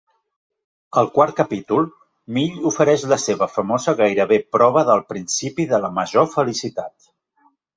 Al quart capítol, Mill ofereix la seva famosa gairebé prova del principi de la major felicitat.